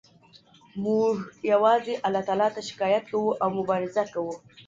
موږ یوازې الله ته شکایت کوو او مبارزه کوو